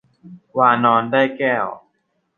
วานรได้แก้ว